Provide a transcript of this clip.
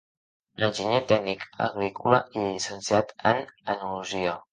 Enginyer tècnic agrícola i llicenciat en enologia.